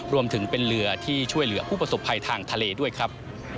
รวมถึงเป็นเรือที่ช่วยเหลือผู้ประสบภัยทางทะเลด้วยครับ